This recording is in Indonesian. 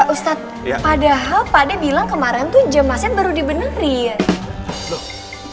ustadz padahal pak d bilang kemarin tuh jam masjid baru dibenerin